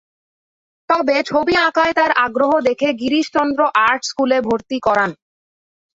তবে ছবি আঁকায় তার আগ্রহ দেখে গিরিশচন্দ্র আর্ট স্কুলে ভরতি করান।